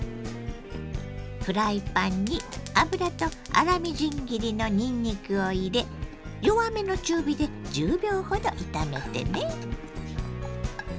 フライパンに油と粗みじん切りのにんにくを入れ弱めの中火で１０秒ほど炒めてね。